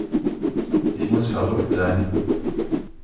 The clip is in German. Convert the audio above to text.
Ich muss verrückt sein.